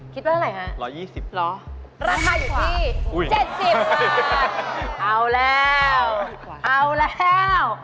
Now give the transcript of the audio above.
คิดได้อะไรฮะราคาอยู่ที่๗๐บาทเอาแล้วเอาแล้ว